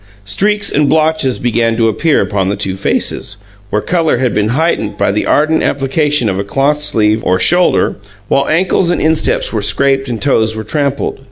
Streaks and blotches began to appear upon the two faces, where colour had been heightened by the ardent application of a cloth sleeve or shoulder, while ankles and insteps were scraped and toes were trampled.